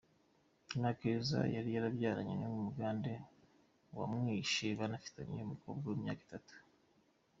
Linah Keza, yari yarabyaranye n’uyu mugande wamwishe, banafitanye umukobwa w’imyaka itatu.